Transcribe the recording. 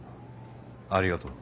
ありがとう。